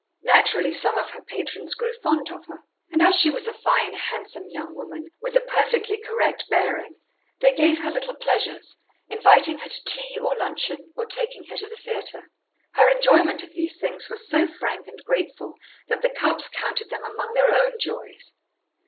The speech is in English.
Naturally some of her patrons grew fond of her, and as she was a fine, handsome young woman with a perfectly correct bearing, they gave her little pleasures, inviting her to tea or luncheon, or taking her to the theatre. Her enjoyment of these things was so frank and grateful that the Cupps counted them among their own joys.